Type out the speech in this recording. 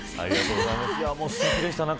すてきでした。